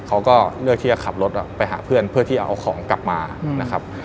เขาก็เลือกที่จะขับรถไปหาเพื่อนเพื่อที่เอาของกลับมานะครับ